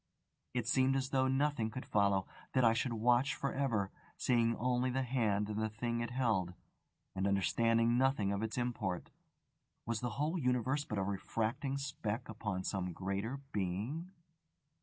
It seemed as though nothing could follow: that I should watch for ever, seeing only the Hand and the thing it held, and understanding nothing of its import. Was the whole universe but a refracting speck upon some greater Being?